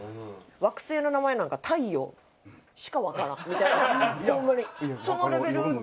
惑星の名前なんか太陽しかわからんみたいなホンマにそのレベルで。